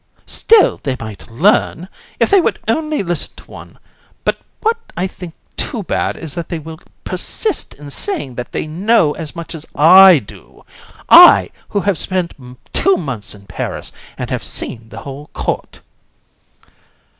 COUN. Still, they might learn, if they would only listen to one; but what I think too bad is that they will persist in saying that they know as much as I do I who have spent two months in Paris, and have seen the whole court.